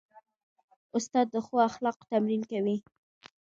استاد د ښو اخلاقو تمرین کوي.